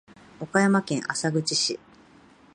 岡山県浅口市